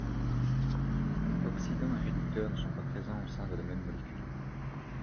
Oxydants et réducteurs ne sont pas présents au sein de la même molécule.